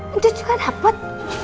ancus juga dapet